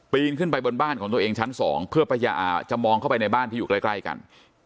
ขึ้นไปบนบ้านของตัวเองชั้น๒เพื่อจะมองเข้าไปในบ้านที่อยู่ใกล้กัน